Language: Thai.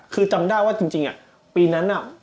คือจำได้ว่าจริงปีนั้นน่ะ